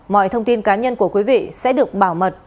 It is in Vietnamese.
mọi thông tin cá nhân của quý vị sẽ được bảo mật